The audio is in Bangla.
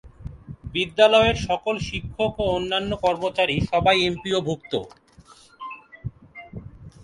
বিদ্যালয়ের সকল শিক্ষক ও অন্যান্য কর্মচারী সবাই এমপিও ভুক্ত।